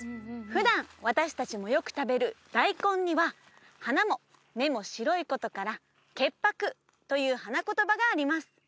普段私達もよく食べる大根には花も芽も白いことから「潔白」という花言葉があります